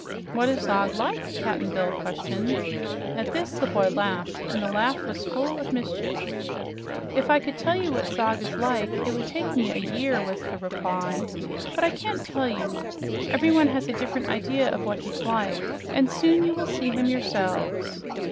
"What is Zog like?" Cap'n Bill questioned. At this the boy laughed, and the laugh was full of mischief. "If I could tell you what Zog is like, it would take me a year," was the reply. "But I can't tell you. Every one has a different idea of what he's like, and soon you will see him yourselves."